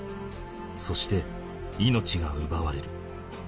そして命が奪われる。